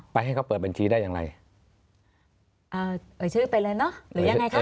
ให้เขาเปิดบัญชีได้ยังไงเอ่อเอ่ยชื่อไปเลยเนอะหรือยังไงคะ